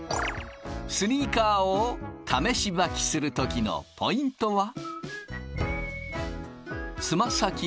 スニーカーを試し履きする時のポイントは。